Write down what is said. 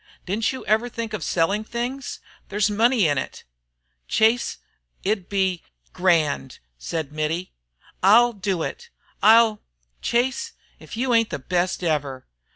Didn't you ever think of selling things? There's money in it." "Chase; it'd be grand," said Mittie. "I'll do it I'll Chase, if you ain't the best ever!